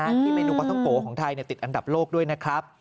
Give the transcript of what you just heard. ที่เมนูปลาท่องโกะของไทยติดอันดับโลกด้วยนะครับ